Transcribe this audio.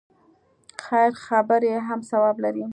خیر خبرې هم ثواب لري.